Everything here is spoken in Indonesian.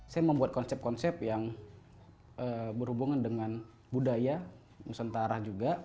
saya membuat konsep konsep yang berhubungan dengan budaya nusantara juga